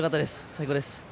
最高です。